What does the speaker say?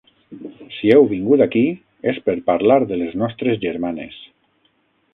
Si heu vingut aquí, és per parlar de les nostres germanes.